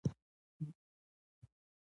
غوښتنه یې وکړه چې تزار ته ژمنې ور په زړه کړي.